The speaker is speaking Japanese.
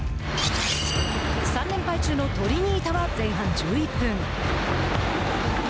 ３連敗中のトリニータは前半１１分。